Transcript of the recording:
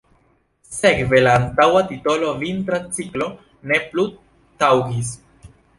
Sekve la antaŭa titolo „Vintra Ciklo" ne plu taŭgis.